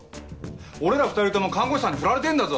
俺ら２人とも看護師さんにフラれてんだぞ。